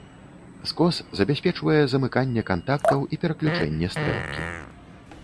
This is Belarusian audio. Скос забяспечвае замыканне кантактаў і пераключэнне стрэлкі.